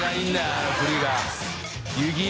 あの振りが。